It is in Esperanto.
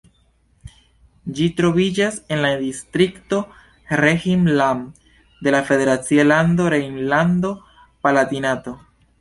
Ĝi troviĝas en la distrikto Rhein-Lahn de la federacia lando Rejnlando-Palatinato.